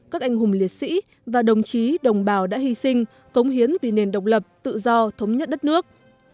các anh hùng liệt sĩ và đồng chí đồng bào đã hy sinh cống hiến vì nền độc lập tự do thống nhất đất nước